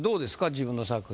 自分の作品。